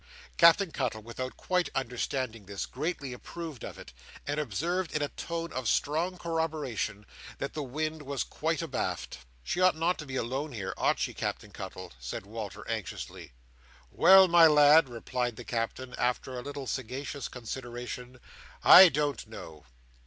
Captain Cuttle, without quite understanding this, greatly approved of it, and observed in a tone of strong corroboration, that the wind was quite abaft. "She ought not to be alone here; ought she, Captain Cuttle?" said Walter, anxiously. "Well, my lad," replied the Captain, after a little sagacious consideration. "I don't know.